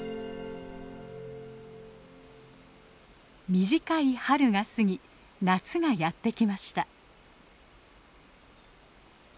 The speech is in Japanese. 短い春が過ぎ夏がやってきました。